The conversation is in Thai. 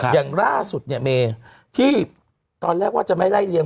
อย่างล่าสุดเนี่ยเมที่ตอนแรกว่าจะไม่ไล่เลี้ย